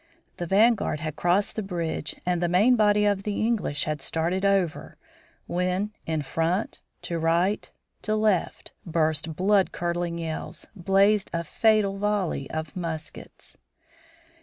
The vanguard had crossed the bridge and the main body of the English had started over, when, in front, to right, to left, burst blood curdling yells, blazed a fatal volley of muskets.